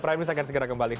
prime news akan segera kembali